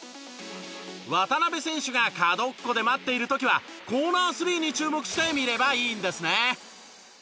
渡邊選手が角っこで待っている時はコーナースリーに注目して見ればいいんですね！